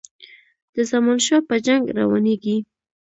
د زمانشاه په جنګ روانیږي.